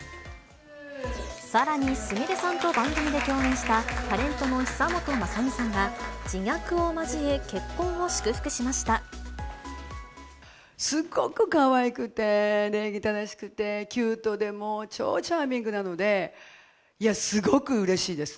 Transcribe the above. さらに、すみれさんと番組で共演したタレントの久本雅美さんが自虐を交え、すごくかわいくて、礼儀正しくてキュートで、もう超チャーミングなので、いや、すごくうれしいです。